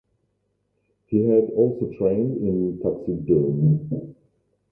He had also trained in taxidermy.